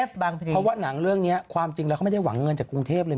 เพราะว่าหนังเรื่องนี้ความจริงแล้วเขาไม่ได้หวังเงินจากกรุงเทพเลยนะ